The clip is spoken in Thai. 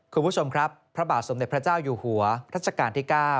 คุณผู้ชมครับพระบาทสมเด็จพระเจ้าอยู่หัวรัชกาลที่๙